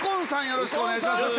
よろしくお願いします。